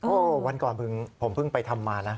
โอ้โหวันก่อนผมเพิ่งไปทำมานะ